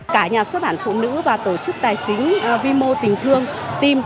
cả nhà xuất bản phụ nữ và tổ chức tài chính vi mô tình thương team